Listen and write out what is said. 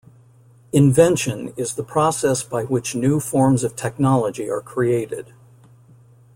"Invention" is the process by which new forms of technology are created.